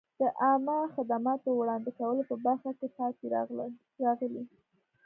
د عامه خدماتو وړاندې کولو په برخه کې پاتې راغلي.